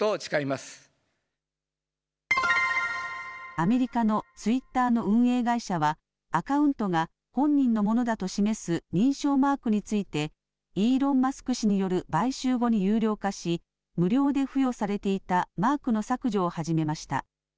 アメリカのツイッターの運営会社は、アカウントが本人のものだと示す認証マークについて、イーロン・マスク氏による買収後に有料化し、無料で付与されていたマークの削除を始めました。